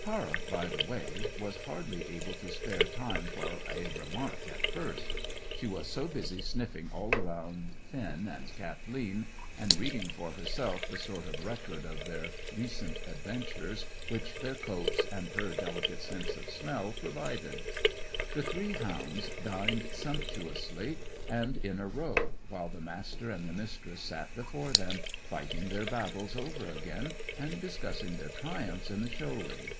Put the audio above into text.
Tara, by the way, was hardly able to spare time for a remark at first; she was so busy sniffing all round Finn and Kathleen, and reading for herself the sort of record of their recent adventures which their coats and her delicate sense of smell provided. The three hounds dined sumptuously, and in a row, while the Master and the Mistress sat before them fighting their battles over again and discussing their triumph in the show ring.